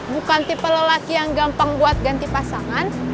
bukan tipe lelaki yang gampang buat ganti pasangan